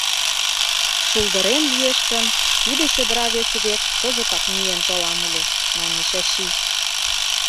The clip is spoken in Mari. — Шулдырем лиеш гын, тиде чодыра вес век кызытак миен толам ыле, — мане Чачи.